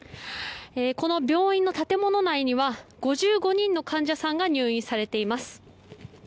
この病院の建物内には５５人の患者さんが入院されています。